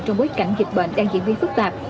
trong bối cảnh dịch bệnh đang diễn biến phức tạp